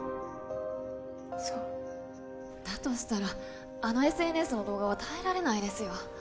そうだとしたらあのＳＮＳの動画は耐えられないですよ